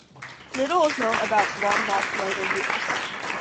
Little is known about Blondlot's later years.